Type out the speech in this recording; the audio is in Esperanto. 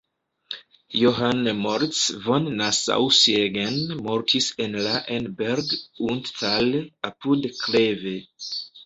Johann Moritz von Nassau-Siegen mortis en la en "Berg und Tal" apud Kleve.